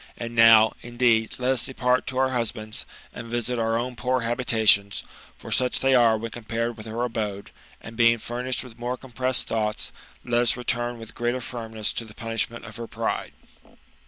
And now, indeed, let us depart to our husbands, and visit our own poor habitations, for su«:h they are when compared with her abode, and beinc; furnished with more compressed thoughts, let us return with greater firmness to the punishment of her pride."